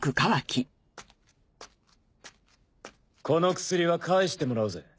この薬は返してもらうぜ。